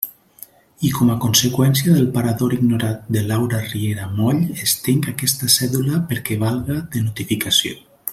I com a conseqüència del parador ignorat de Laura Riera Moll, estenc aquesta cèdula perquè valga de notificació.